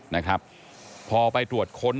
นะครับพอไปตรวจค้น